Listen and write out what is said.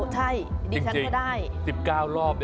ใช่ดิแซนค์ก็ได้